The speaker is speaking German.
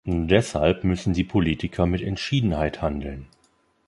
Deshalb müssen die Politiker mit Entschiedenheit handeln.